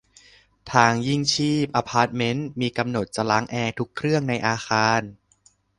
ทางยิ่งชีพ อพาร์ทเม้นต์ มีกำหนดจะล้างแอร์ทุกเครื่องในอาคาร